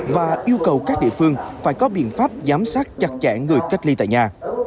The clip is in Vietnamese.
và yêu cầu các địa phương phải có biện pháp giám sát chặt chẽ người cách ly tại nhà